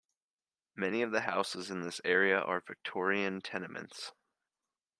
Many of the houses in this area are Victorian tenements.